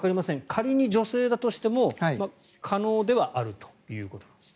仮に女性だとしても可能ではあるということなんですね。